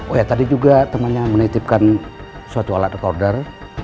oh ya tadi juga temannya menitipkan suatu alat recorder